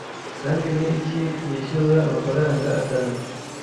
Kandi ni iki yishyuza amafaranga atanu